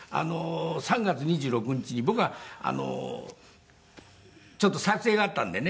３月２６日に僕は撮影があったんでね。